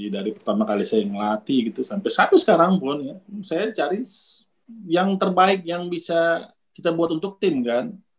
dari pertama kali saya ngelatih gitu sampai satu sekarang pun ya saya cari yang terbaik yang bisa kita buat untuk tim kan